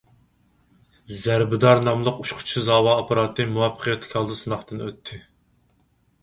«زەربىدار» ناملىق ئۇچقۇچىسىز ھاۋا ئاپپاراتى مۇۋەپپەقىيەتلىك ھالدا سىناقتىن ئۆتتى.